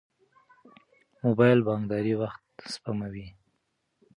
موبایل بانکداري وخت سپموي.